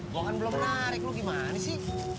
gue kan belum narik lo gimana sih